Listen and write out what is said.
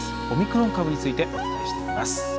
オミクロン株についてお伝えしていきます。